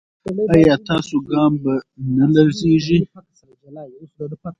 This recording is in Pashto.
ایا ستاسو ګام به نه لړزیږي؟